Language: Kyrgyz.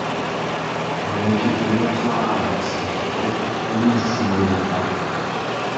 Мамлекет эмне кылаар айласын таппай, эми ушуну ойлоп тапты.